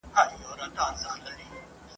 زده کړه او لوست د فقر کچه کموي.